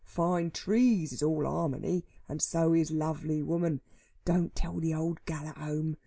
Fine trees is all harmony, and so is lovely woman. Don't tell the old gal at home.